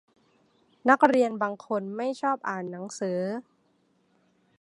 นักเรียนบางคนไม่ชอบอ่านหนังสือ